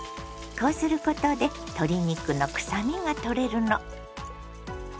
こうすることで鶏肉のくさみが取れるの。